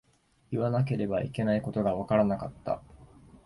言わなければいけないことがわからなかった。